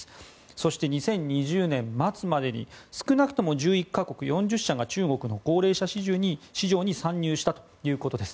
そして、２０２０年末までに少なくとも１１か国４０社が中国の高齢者市場に参入したということです。